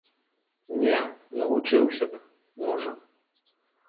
Не, навучыўся б, можа.